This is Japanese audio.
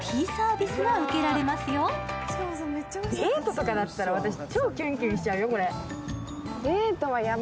デートとかだったら超キュンキュンしちゃうよ。